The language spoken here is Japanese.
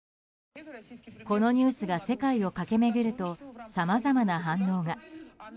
このニュースが世界を駆け巡るとさまざまな反応が。